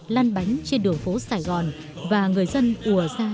lan bánh trên đường phố sài gòn và người dân ủa